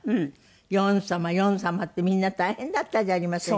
「ヨン様ヨン様」ってみんな大変だったじゃありませんか。